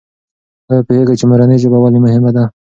آیا پوهېږې چې مورنۍ ژبه ولې مهمه ده؟